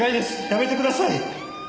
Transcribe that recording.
やめてください。